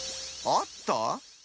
あった？